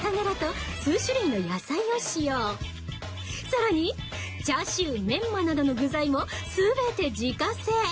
さらにチャーシューメンマなどの具材も全て自家製！